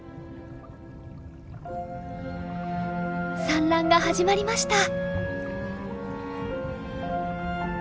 産卵が始まりました！